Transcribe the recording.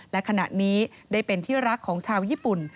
และขณะนี้ได้เป็นที่รักของชาวญี่ปุ่น